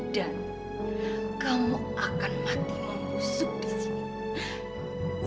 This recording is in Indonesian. dan kamu akan mati membusuk di sini